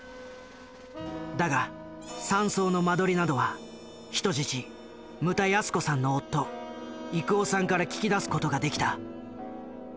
だが山荘の間取りなどは人質牟田泰子さんの夫郁男さんから聞き出す事ができた。